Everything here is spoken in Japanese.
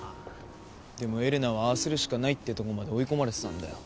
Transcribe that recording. でもエレナはああするしかないってとこまで追い込まれてたんだよ。